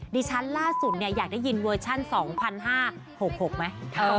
ฉันล่าสุดอยากได้ยินเวอร์ชัน๒๕๖๖ไหม